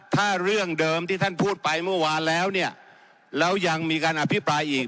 ถ้าเรื่องเดิมที่ท่านพูดไปเมื่อวานแล้วเนี่ยแล้วยังมีการอภิปรายอีก